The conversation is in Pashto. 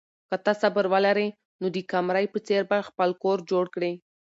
که ته صبر ولرې نو د قمرۍ په څېر به خپل کور جوړ کړې.